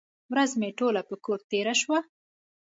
ورځ مې ټوله په کور تېره شوه.